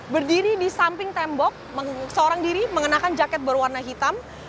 berdiri di samping tembok seorang diri mengenakan jaket berwarna hitam